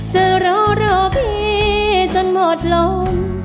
จะรอรอพี่จนหมดลม